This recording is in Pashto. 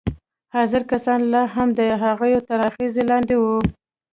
حاضر کسان لا هم د هغه تر اغېز لاندې وو